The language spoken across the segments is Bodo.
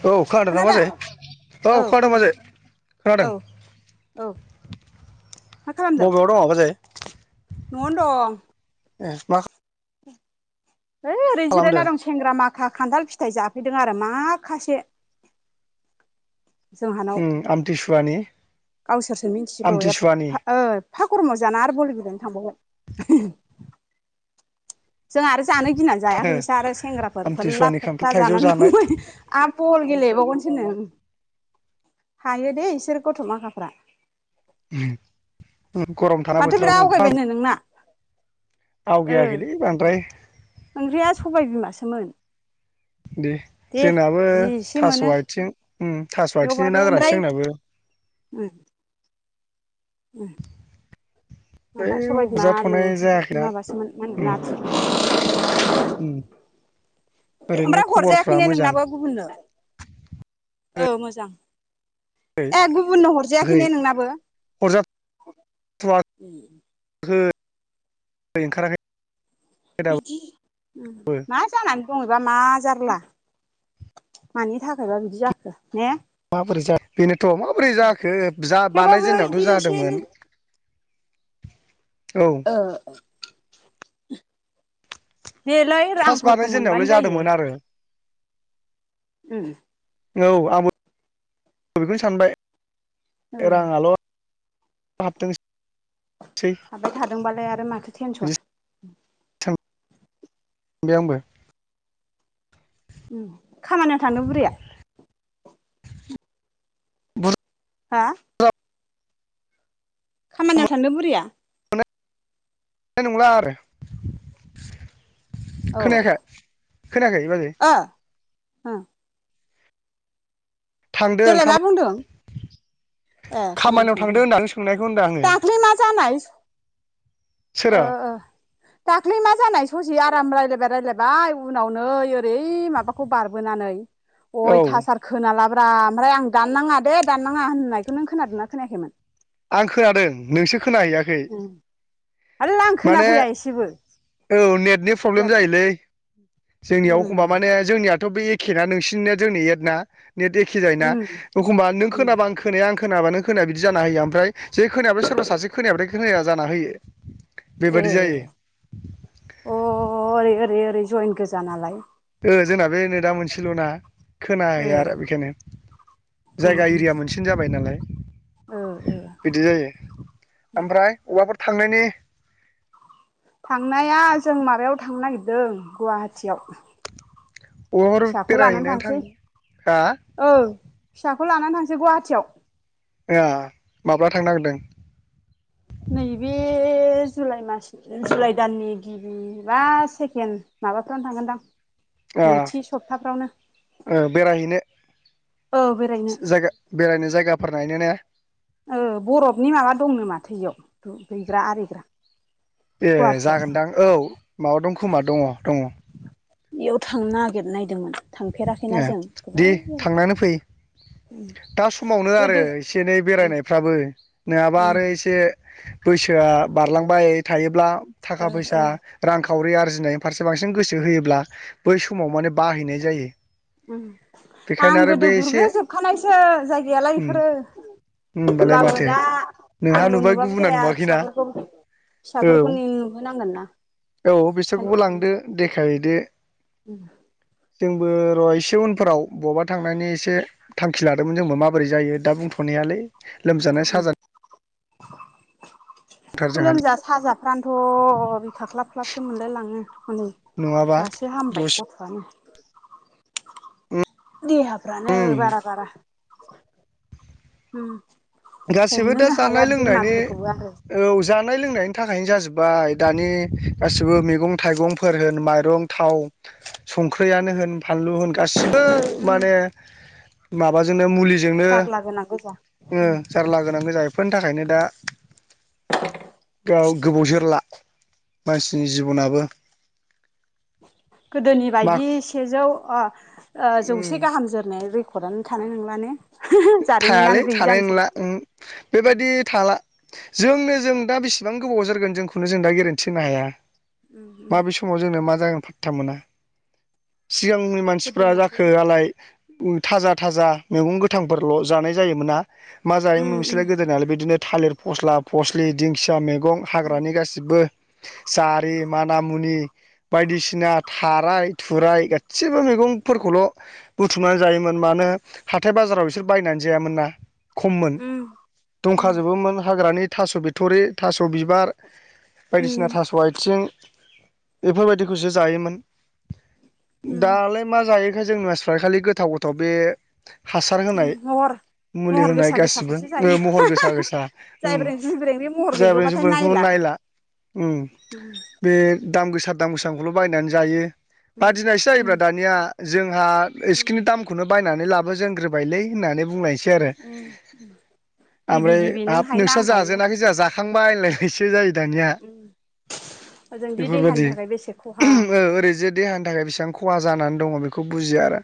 औ ना खोनादों बाजै औ खोनादों खोनादों औ। औ। मा खालामदों बबेयाव दंङ बाजै? न'आवनो दं। ए मा है ओरैनो जिरायना खालामदों दं सेंग्रा माखा खान्थाल फिथाइ जाफैदों आरो माखासे। जोंहानाव उम आमटि सुवानि? गावसोरसो मिथिगौ एफा एफा गरमाव जाना आरो बल गेलेनो थांबावगोन। [unintelligible] जों आरो जानो गिनानै जायाखै इसा आरो सेंग्राफोर फोल्ला आमथिसुवानि खान्थाल फोथा थाइजौ जानानै जानाय थांबाय आरो बल गेलेबावगोन सोनो हायो दे इसोर गथ' माखाफ्रा। उम गरम थारना माथो बोथोरा [unintelligible] ओं बांद्राय ओंख्रिया सबाय बिमासोमोन। दे जोंनाबो जि एसे थास' मोनो आइथिं उम थास' आथिंजों थेवबाबो नागोरानसो ओमफ्राय जोंनाबो। उम। उम। बै माबा सबाय बिमा आलु हरजाथ'नाय जायाखैना माबासोमोन उम नाथुर। उम। ओरैनो ओमफ्राय खबरफ्रा हरजायाखै ने मोजां नोंनाबो गुबुननो औ मोजां। है ए गुबुननो हरजायाखै ने नोंनाबो? थुवा खै ओंखाराखै। दाबो बिदि उम मा जानानै [unintelligible] मा जारला मानि थाखायबा बिदि जाखो। ने माबोरै जा बेनोथ' माबोरै जाखो जा थेवबाबो बिदि बानायजेननायावथ' एसे जादोंमोन। एनै औ ओं। देलै फार्स्ट रांफोरखौ बानायजेननायावलाय मोनबानो जायो। जादोंमोन आरो उम। औ आंबो बेखौनो सानबाय। ओ। हाबथों हाबाय थादोंबालाय आरो माथो बिदि टेनसन। बे आंबो उम खामानियाव थांदों बुरिया? [unintelligible] हा? खामानियाव थांदो बुरिया? ना नंला आरो। औ खोनायाखै खोनायाखै बाजै? उम। थांदों देलाय मा बुंदों? ए खामानियाव थांदों होनदां सोंनायखौ होनदों आङो दाख्लै मा जानाय? ओ सोरो ओ दाख्लै मा जानाय? ससे आराम रायज्लायबाय रायज्लायबाय उनाव नै ओरै माबाखौ बारबोनानै। औ अयथासार खोनालाब्रा ओमफ्राय आं दाननाङा दे दाननाङा होननाय खोनों खोनादोंना खोनायाखैमोन? आं खोनादों नोंसो खोनाहैयाखै। थालला आं खोना माने फैया एसेबो। औ नेटनि प्रब्लेम जायोलै जोंनियाव उम एखमबा माने जोंनियाथ' बे एखे ना नोंसिनि जोंनि एट ना नेट एखे जायोना उम अखम्बा नों उम खोनाबा आं खोनाया आं खो खोनाबा नों खोनाया बिदि जाना होयो ओमफ्राय जै खोनायाबथाय सोरबा सासे खोनायाबाथाय खोनाया जाना होयो। ए बेबादि जायो। अ ओरै ओरै ओरै जयेन गोजा नालाय। ओ जोंना बे नेदा मोनसेल'ना ओ खोनाहैया आरो बेखायनो। उम जायगा उम एरिया मोनसेनि जाबाय नालाय। ओ ओ बिदि जायो ओमफ्राय औबाफोर थांनायनि थांनाया जों माबायाव थांनो नागिरदों गुवाहाटियाव। अबाफोर फिसाखौ लानानै बेरायहैनानै थां थांसै हा ओं। फिसाखौ लानानै थांसै गुवाहाटियाव। ए आं माब्ला थांनागिरदों? नैबे जुलाइ मास जुलाइ दाननि गिबि बा सेकेणड- माबाफ्रावनो थांगोनदां ओ नैथि सप्ताफ्रावनो। ओ बेरायहैनो औ बेरायनो जायगा बेरायनो जायगाफोर नायनो ने ओ बर'फनि माबा दंनो माथो एयाव दुगैग्रा आरिग्रा। ए गुवाहाटियाव जागोनदां औ माबा दं खोमा दङ दङ बेयाव थांनो नागिरनायदोंमोन थांफेराखैना ए जों दे थांनानै फै दा समावनो जाबाय आरो गोदो एसे एनै उम बेरायनायफ्राबो नङाबा उम आरो एसे बैसोआ बारलांबाय थायोब्ला ओ थाखा फैसा ओ रां खावरि आरजिनाय फारसे बांसिन गोसो होयोब्ला बै समाव माने बाहैनाय जायो बेखायनो आं आरो गोदो बे एसे गुरग्रोजोबखानायसो जायगायालाय उम बेफोरो होनबालाय होमबाबो माथो दा नोंहा आंल' नुबाय नुबाबो गुबुना जाया नुवाखैना फिसाफोरखौ औ फिसाफोरखौनि नुहोनांगोन ना औ बिसोरखौबो लांदो देखायहैदो उम जोंबो र' एसे उनफोराव बबावबा थांनायनि एसे थांखि लादोंमोन जोंबो माबोरै जायो दा बुंथ'नायालै लोमजानाय उम साजानाय दंथार जोंहा लोमजा साजाफ्रानोथ' बि खाख्लाब ख्लाबसो मोनलायलाङो हनै नङाबा दासो हामबाय दसे गथ'आनो देहाफ्रानो बारा बारा गाससिबो दा हमनोनो हाया जानाय लोंनायनि बेमारफोरखौबो आरो औ ज जानाय लोंनायनि थाखायनो जाजोब्बाय दानि गासिबो मैगं थाइगंफोर होन माइरं थाव संख्रियनो होन फानलु होन गासिबो उम माने माबाजों आ मुलिजोंनो जारला गोनां गोजा उम जारला गोनां जायोफोरनि थाखायनो दा गाव गोबाव जोरला मानसिनि जिबनाबो गोदोनि मा बायदि सेजौ उम जौसे गाहाम जोरनाय अखदानो थानो नंलाानो थायालै थानाय नंला बेबायदि थाला जोंनो जों दा बेसेबां गोबाव जारगोन जोंखौनो जों दा गेरेन्थि होनो हाया उम उम माबे समाव जोंनो मा जागोन फाथ्था मोना सिगांनि मानसिफ्रा गोदोना जाखोआलाय थाजा थाजा मैगं गो थांफोरल' जानाय जायोमोना मा जायोमोन उम उम मोनसोरलाय गोदोनालाय बिदिनो। थालिर फस्ला फस्लि दिंखिया मैगं हाग्रानि गासिबो जारि मान मुनि बायदिसिना थाराय थुराय गासिबो मैगंफोरखौल' बुथुमनानै जायोमोन मानो हाथाय बाजा राव बिसोर बायनानै जायामोना खममोन उम दंखा जोबोमेन हाग्रानि थास' बिथ'रि थास' बिबार उम बायदिसिना उम थास' आथिं बेफोरबायदिखौसो जायोमोन उम दालाय मा जायो जोंनि मानसिफ्रा खालि गोथाव गोथाव बे हासार होनाय हर मुलि होनाय गासिबो ओ महर गोसा गोसा ओम जायब्रें जुइब्रें बे महर जाबे गैगौबाथाय जुबेखौ नायला।। उम बे दाम गोसा दाम गोसाखौल' बायनानै जायो बादिनायसो जायोब्ला दानिया जों हा एसिखिनि दामखौनो बायनानै ला बायलै होननानै बुंनायसै आरो गिबि ओमफ्राय गिबि नों हाब हायोना नोंस्रा आं हायो जाजेनाखै जोंहा जाखांबाय होनलाय नायसो जायो दानिया। ओजोंदि देहानि बेफोरबायदि थाखाय बेसे खहा ओरैजे देहानि थाखाय बेसिबां खहा जानानै दङ बेखौ बुजियो आरो।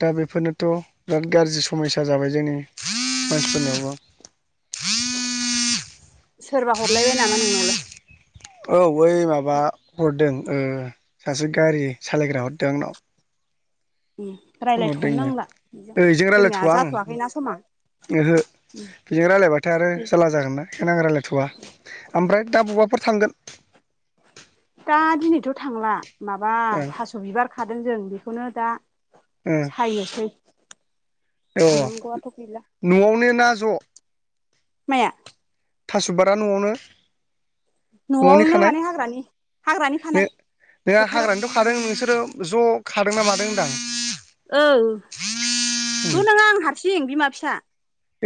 दा बेफोरनोथ' बिराद गाज्रि समयसा जाबाय जोंनि मानसिफोरनियावबो। सोरबा हरलायबाय नामा नोंनावलाय? औ बै माबा हरदों ओ सासे गारि सालायग्रा हरदों आंनाव। फन रायज्लायथ'नो हरदोंनो नांला बेजों ओं ओ इजों जोंनिया रायज्लायथ'वा जाथ'वाखैना समा आङो। ओहो बेजों रायलायबाथाय आरो जारला जागोनना बेखायनो आं रायज्लायथ'वा ओमफ्राय दा अबावबाफोर थांगोन? दा दिनैथ' थांला माबा ओ थास' बिबार खादों जों बेखौनो दा सायनोसै। अ थांनांगौआथ' गैला न'आवनो ना ज' माया? थास' बिबारा न'आवनो? न'आवनि न'आवनो खानाय माने हाग्रानि हाग्रानि नो खानाय। नोंहा फोथाराव हाग्रानिथ' खादों नोंसोरो ज' खादोंना मादों होनदां? औ उम ज' नङा आं हारसिं बिमा फिसा।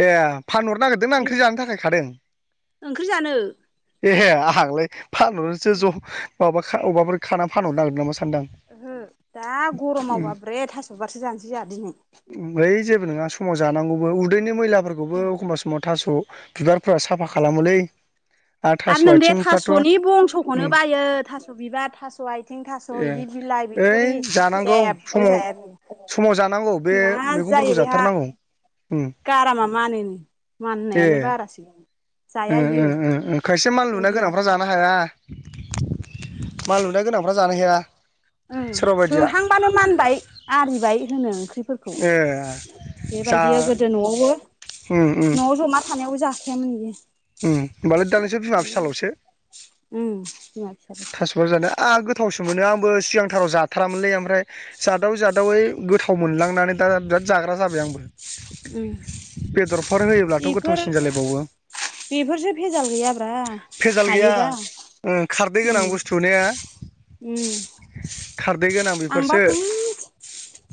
ए फानहरनो नागिरदोंना ओंख्रि जानो थाखाय खादों? ओंख्रि जानो। एहे आंहांलाय फानहरनोसो ज' माबा अबाफोर खाना फानहरनो नागिदों नामा सानदों। ओहो दा गरमाव बाब्रे थास' बिबारसो जानोसै जोंहा दिनै। ओइ जेबो नङा समाव जानांगौबो उदैनि मैलाफोरखौबो एखमबब्ला समाव थास' बिबारफोरा साफा खालामोलै। आरो थास' नोंदाया आथिंफ्राथ' थास'नि उम बंस'खौनो बायो थास' बिबार थास' आथिं थास' ए इदि ओइ जानांगौ समाव जाया बियो समाव जानांगौ बे मा मैगंफोरखौ जायो बेहा जाथारनांगौ। ओम गारामा मानोनो ए माननायानो बारासो। ओ जाया ओ इयो ओ खायसे जों मानलुना बिमा गोनांफ्रा जानो फिसाफोरखौ हाया। मानलु गोनांफ्रा जानो हाया। ओ सोरबा बायदिया सोहांबानो मानबाय आरिबाय होनो ओं। फोरखौ ए जा बेबायदि गोदो न'आवबो उम न'आव जमा थानायावबो जा योमोन। ओम होमबालाय दा नोंसोर बिमा फिसाल'सो उम बिमा फिसाफोरखौ थास' बिबार जानाया। आहा गोथावसो मोनो आंबो सिगांथाराव जाथारामोनलै ओमफ्राय जादाव जादावै गोथाव मोनलांनानै दा बिराद जाग्रा जाबाय आंबो। उम बेदरफोर होयोब्लाथ' बेफोर गोथावसिन जालायबावो। बेफोरसो भेजाल गैयाब्रा भेजाल गैया हायोबा ओ खारदै गोनां बुस्थु ने खारदै गोनां [unintelligible] आंबा बेफोरसो ख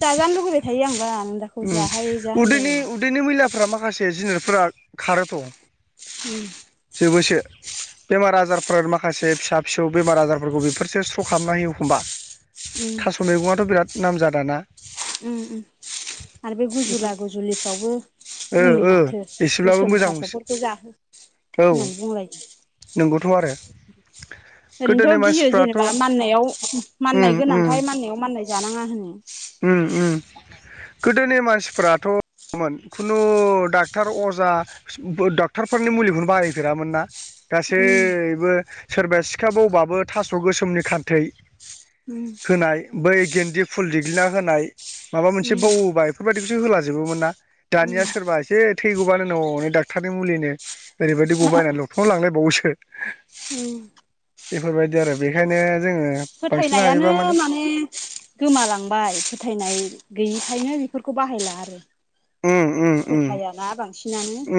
जाजानो लुुबैबाय थायो आंबा नों दाखौ जाहाय जा [unintelligible] फोर्रा माखासे [unintelligible] खारोथ' [inaudible] जोबोसे बेमार आजारफोर माखासे फिसा फिसौ बेमार आजारफोरखौ बेफोरसो स्र' खालामना होयो एखमबा। उम थास' उम मैगङाथ' बिराद नामजादाना उम उम आरो बे बेफोर गुजुला गुजुलिफ्रावबो ओ बुङो ओ माथो एसेब्लाबो गोसोम मोजां थास'फोरखौ जाहो औ न नंगौथ' [unintelligible] आरो गोदोनि ओरैनोथ' गियो मानसिफ्राथ' जेनेबा माननायाव माननाय उम उम गोनांखाय माननायाव माननाय जानाङा होन्ना उम उम गोदोनि मानसिफोराथ' मोन खुनु डक्टर अजा ड'क्ट'रफोरनि मुलिखौनो बाहायफेरामोन ना उम गासैबो सोरबाया सिखा बावबाबो थास' गोसोमनि खान्थै उम होनाय बै गेन्दि फुल दिेग्लिना होनाय माबा उम मोनसे बौबाय बेफोरबायदि होला जोबोमोन ना उम दानिया सोरबा एसे थैगौबानो न'ने डाक्टारनि मुलिनो ओरैबायदि ग बायनानै लथ'ना लांलायबावोसो उम बेफोरबायदि आरो बेखायनो जोङो बांसिन फोथायनायानो हायोबा माने गोमालां बाय फोथायनाय गैयिखायनो बेफोरखौ बाहायला आरो उम उम उम फोथायाना [unintelligible]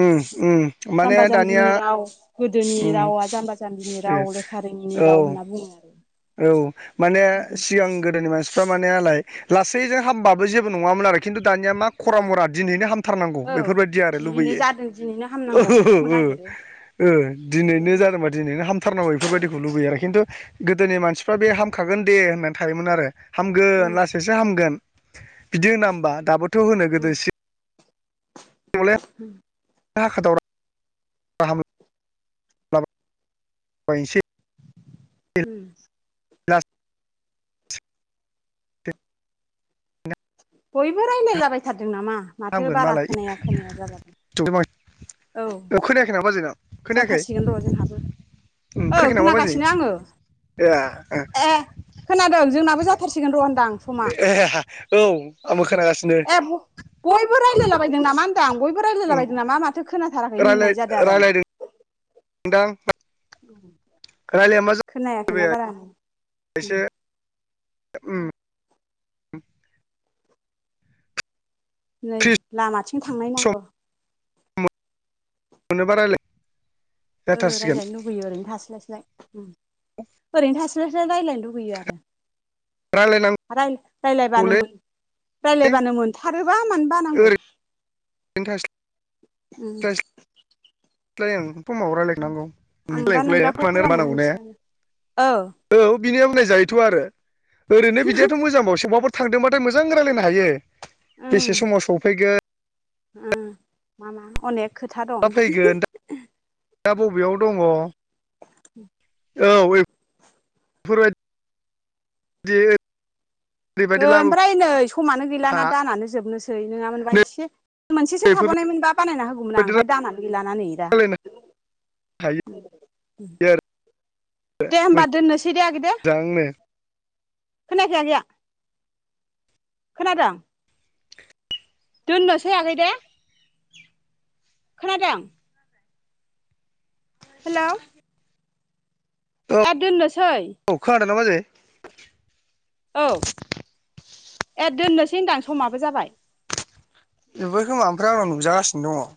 उम उम माने दानिया जाम्बिनि राव गोदोनि उम रावा जाम्बा जाम्ब जाम्बिनि राव लेखा औ रोङिनि राव होनना बुङो औ माने बिदि सिगां गोदोनि मानसि फ्रा मानेलाय लासैजों हामबाबो जेबो नङामोन आरो खिन्थ दानिया मा खरा मरा दिनैनो हामथारनांगौ ओ बेफोरबायदि आरो दिनै लुबैयो जादों दिनैनो हामनांगौ बिदिखौ नागिरो [unintelligible] ओ दिनैनो बिदियावनो जादोंबा दिनैनो हामथारनांगौ बेफोरबायदिखौ लुुबैयो आरो [unintelligible] गोदोनि मानसिफ्रा बे हामखागोन दे होननानै थायोमोन आरो हामगोन उम लासैसो हामगोन बिदि होना होमबा दाबोथ' होनो गोदो उम सि [unintelligible] [unintelligible] बैसे उम [unintelligible] गयबो राय ने लाबाय थाद नामा माथो हामगोन बारा मालाय खोनाया खोनाया जाला [unintelligible] औ खोनायाखै नामा बाजैनाव खोनायाखै जाथारसिगोन र' जोंहाबो ओ खोनागासिनो आङो [unintelligible] ए ओ खोनादों जोंनाबो जाथारसिगोन र' होनदां समा ए औ आंबो [unintelligible] खोनागासिनो बयबो रायलायलाबायदों नामा होनदां बयबो उम रायलायलाबायदोंना मा माथो खोनाथाराखै होननाय जादों आरो आं। [unintelligible] दां खोनालया मा खोनायाखैना [unintelligible] बारा उम एसे उम नै फ्रि लामाथिं थांनाय नांगौ अनो बारायलाय ओ रायज्लायनो लुबैयो ओरैनो थास्लायस्लाय। ओरैनो थास्लायलाय रायलायनो लुगैयो रायलायनांगौलै रायलायबानो रायलायबानो मोनथार माबा मानो बानांगौ बेन्थ उम [unintelligible] रायलायनांगौ आंबा नों रायलायखौलाया दाखौ मानो खालामना मानांगौ ने होनसै आङ औ बिनिया होननाय जायोथ' आरो ओरैनो बिदियाथ' मोजांबावसोमाफोर थांदोंबाथाय मोजां रायज्लायनो हायो। बेसे उम समाव सफैगोन मा मा अनेक खोथा मा दं फैगोन दा बबेयाव दङ उम औ बेफोरबायदि ओरैबायदि लाबोफा ओमफ्राय नै समानो गैलाना दानानो जोबनोसै नङामोनबा नै एसे मोनसेसो बेफोरबायदि थाबावायमोनबा बानायना होगौमोन आं ओमफफ्राय दानानै गैलाना नैयो दा रायलायनो हायो आरो दे होमबा दोननोसै दे आगे दे मोजांनो खोनायाखै आ गैया खोनादों दोननोसैायाखै दे खोनादों हेल' औ अखा हादोंंना बाजे औ ए दोननोसै होनदां समाबो जाबाय बेख म फ आंनाव नुजागासिनो दङ